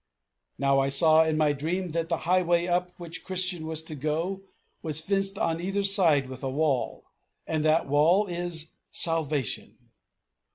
Now I saw in my dream that the highway up which Christian was to go was fenced on either side with a wall, and that wall is Salvation.